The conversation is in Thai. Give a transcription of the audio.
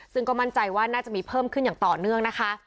ซึ่งก็มั่นใจว่าน่าจะมีเพิ่มขึ้นอย่างต่อเนื่องนะคะ